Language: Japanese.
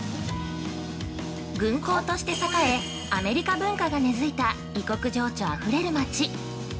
軍港として栄え、アメリカ文化が根付いた異国情緒あふれる町。